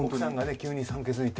急に産気づいて。